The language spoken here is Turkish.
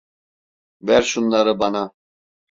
Ver şunları bana.